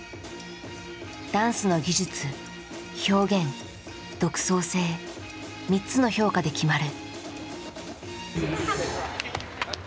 ダンスの技術表現独創性３つの評価で決まる。